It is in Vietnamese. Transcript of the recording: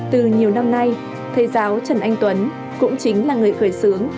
từ nhiều năm nay thầy giáo trần anh tuấn cũng chính là người khởi xướng